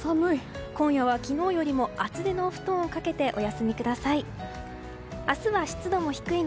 今夜は昨日よりも厚手のお布団をかけてお休みください。